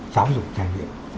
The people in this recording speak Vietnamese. giáo dục giai đoạn